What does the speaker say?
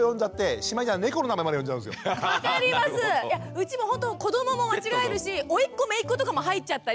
うちもほんと子どもも間違えるしおいっ子めいっ子とかも入っちゃったり。